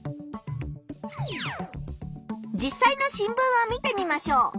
実さいの新聞を見てみましょう。